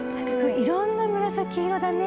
いろんな紫色だね